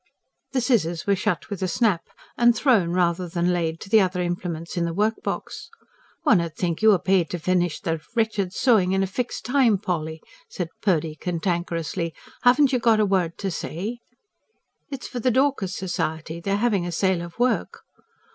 The scissors were shut with a snap, and thrown, rather than laid, to the other implements in the workbox. "One 'ud think you were paid to finish that wretched sewing in a fixed time, Polly," said Purdy cantankerously. "Haven't you got a word to say?" "It's for the Dorcas Society. They're having a sale of work."